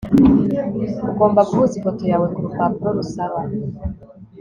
ugomba guhuza ifoto yawe kurupapuro rusaba